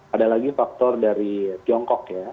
ada lagi faktor dari tiongkok ya